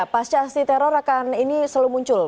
pasca aksi teror akan ini selalu muncul